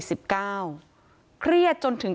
ศพที่สอง